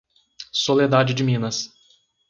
Soledade de Minas